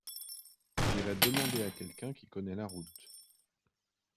J’irai demander à quelqu’un qui connait la route.